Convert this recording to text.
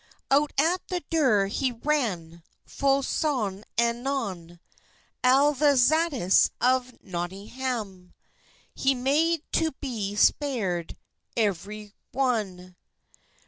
Out at the durre he ran Ful sone and anon; Alle the zatis of Notyngham He made to be sparred euerychone.